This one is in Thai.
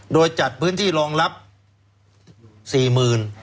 โดยจัดพื้นที่รองรับ๔๐๐๐บาท